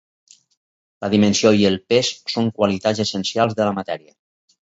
La dimensió i el pes són qualitats essencials de la matèria.